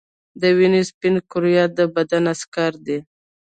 د وینې سپین کرویات د بدن عسکر دي